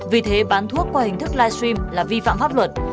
vì thế bán thuốc qua hình thức live stream là vi phạm pháp luật